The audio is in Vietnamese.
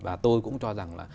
và tôi cũng cho rằng là